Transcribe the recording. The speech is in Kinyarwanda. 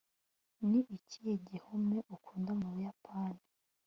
ni ikihe gihome ukunda mu buyapani